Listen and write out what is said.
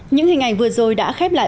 những hình ảnh vừa rồi đã khép lại